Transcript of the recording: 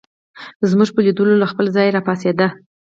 زموږ په لیدو له خپله ځایه راپاڅېد.